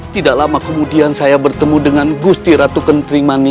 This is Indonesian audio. tidak lama kemudian saya bertemu dengan gusti ratu kentrimani